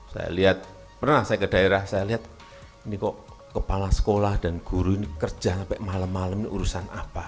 saya lihat pernah saya ke daerah saya lihat ini kok kepala sekolah dan guru ini kerja sampai malam malam ini urusan apa